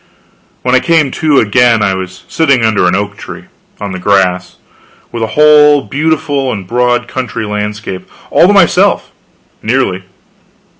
When I came to again, I was sitting under an oak tree, on the grass, with a whole beautiful and broad country landscape all to myself nearly.